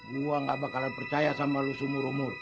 gue gak bakalan percaya sama lo sumur umur